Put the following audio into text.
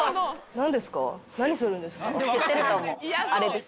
何するんですか？